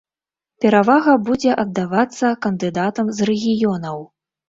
Перавага будзе аддавацца кандыдатам з рэгіёнаў.